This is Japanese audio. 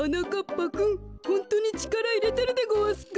ぱくんホントにちからいれてるでごわすか？